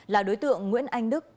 là đối tượng nguyễn anh đức